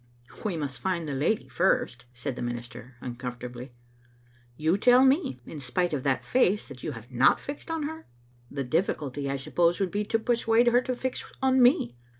"We must find the lady first," said the minister, uncomfortably. " You tell me, in spite of that face, that you have not fixed on her?" " The diflSculty, I suppose, would be to persuade her to fix on me."